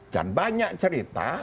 dan banyak cerita